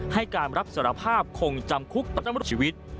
ให้การรับสารภาพคงจำคุกตลอดชีวิต